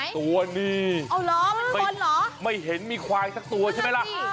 ตัวนี้ไม่เห็นมีควายสักตัวใช่ไหมล่ะ